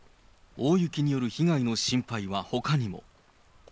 大雪による被害の心配はほかにも。